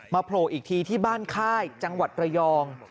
โผล่อีกทีที่บ้านค่ายจังหวัดระยอง